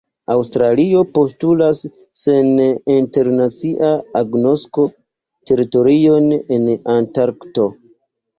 Aŭstralio postulas, sen internacia agnosko, teritorion en Antarkto.